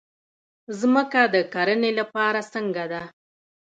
ځمکه د کرنې لپاره څنګه ده؟